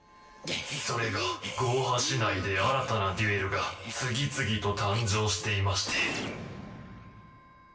それがゴーハ市内で新たなデュエルが次々と誕生していまして。